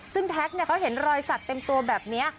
ซึ่งแท็กเขาเห็นรอยสักเต็มตัวแบบนี้